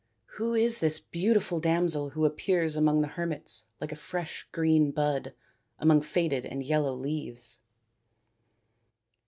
" Who is this beauti ful damsel who appears among the hermits like a fresh green bud among faded and yellow leaves